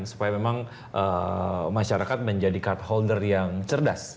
supaya memang masyarakat menjadi card holder yang cerdas